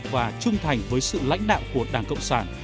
và trung thành với sự lãnh đạo của đảng cộng sản